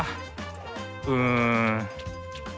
うん。